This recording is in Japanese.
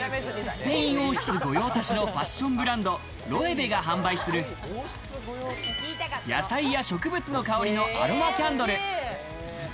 スペイン王室御用達のファッションブランド、ロエベが販売する野菜や植物の香りのアロマキャンドル。